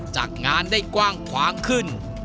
จากงานได้กว้างขวางขึ้น